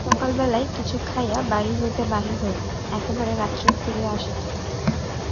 সকালবেলায় কিছু খাইয়া বাড়ি হইতে বাহির হইত, একেবারে রাত্রে ফিরিয়া আসিত।